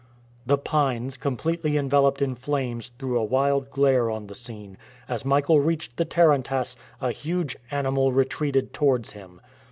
The pines, completely enveloped in flames, threw a wild glare on the scene. As Michael reached the tarantass, a huge animal retreated towards him.